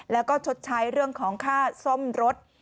แล้วก็ชดใช้เรื่องของค่าซ่อมรถ